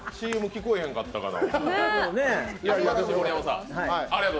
ＣＭ聞こえへんかったから。